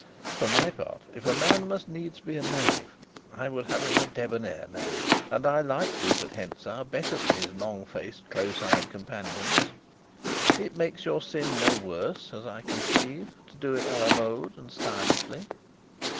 For my part, if a man must needs be a knave, I would have him a debonair knave, and I liked Rupert Hentzau better than his long faced, close eyed companions. It makes your sin no worse, as I conceive, to do it à la mode and stylishly.